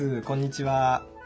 こんにちは。